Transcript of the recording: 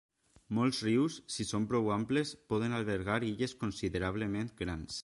Molts rius, si són prou amples, poden albergar illes considerablement grans.